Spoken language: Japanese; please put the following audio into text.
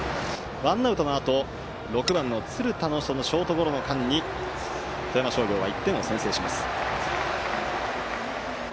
ワンアウトのあと６番の鶴田のショートゴロの間に富山商業は１点を先制します。